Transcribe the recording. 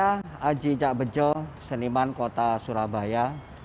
ada aji cak bejo seniman kota surabaya